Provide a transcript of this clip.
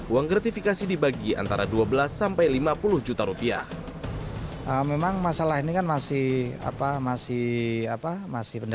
uang gratifikasi dibagi antara dua persen